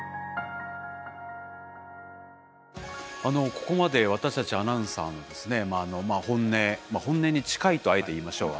ここまで私たちアナウンサーの本音本音に近いとあえて言いましょう。